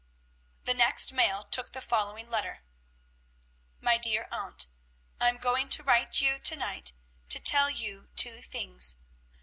The next mail took the following letter: MY DEAR AUNT, I am going to write you to night, to tell you two things.